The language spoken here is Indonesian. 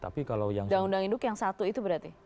undang undang induk yang satu itu berarti